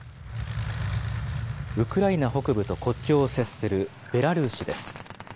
ウクライナ北部と国境を接するベラルーシです。